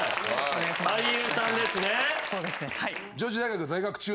俳優さんですね。